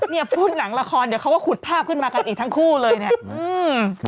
เนี่ยพูดหนังละครเดี๋ยวเขาก็ขุดภาพขึ้นมากันอีกทั้งคู่เลยเนี่ยอืม